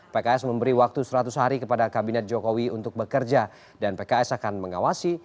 pks memberi waktu seratus hari kepada kabinet jokowi untuk bekerja dan pks akan mengawasi